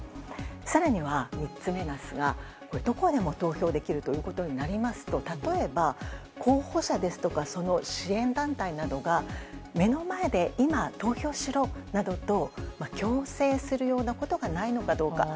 更には、３つ目ですがどこでも投票できるとなりますと例えば、候補者ですとかその支援団体などが目の前で今投票しろなどと強制するようなことがないのかどうか。